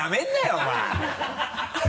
お前。